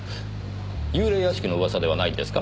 幽霊屋敷の噂ではないんですか？